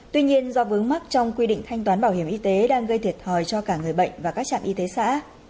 tuy nhiên do vướng mắt trong quy định thanh toán bảo hiểm y tế đang gây thiệt thòi cho cả người bệnh và các trạm y tế xã